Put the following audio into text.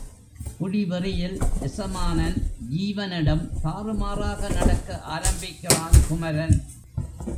குடிவெறியில் எசமானன் ஜீவனிடம் தாறுமாறாக நடக்க ஆரம்பிக்கிறான் குமரன்.